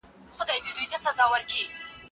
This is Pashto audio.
ته خبريې دلته ښخ ټول انسانان دي